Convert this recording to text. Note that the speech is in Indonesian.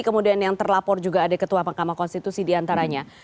kemudian yang terlapor juga ada ketua mahkamah konstitusi diantaranya